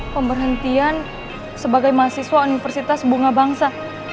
pemberhentian sebagai mahasiswa universitas bunga bangsa